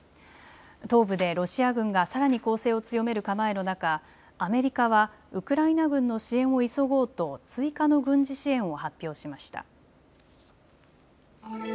東部でロシア軍がさらに攻勢を強める構えの中、アメリカはウクライナ軍の支援を急ごうと追加の軍事支援を発表しました。